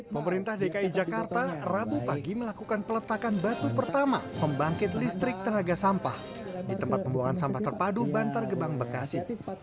pemerintah dki jakarta rabu pagi melakukan peletakan batu pertama pembangkit listrik tenaga sampah di tempat pembuangan sampah terpadu bantar gebang bekasi